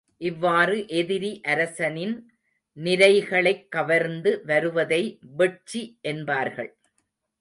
இவ்வாறு எதிரி அரசனின் நிரைகளைக் கவர்ந்து வருவதை வெட்சி என்பார்கள்.